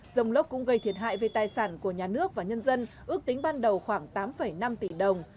rông lốc cũng gây thiệt hại về tài sản của nhà nước và nhân dân ước tính ban đầu khoảng tám năm tỷ đồng